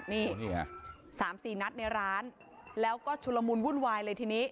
นี่ค่ะ๓๔นัดในร้านแล้วก็ชุลมุนวุ่นวายเลยทีนี้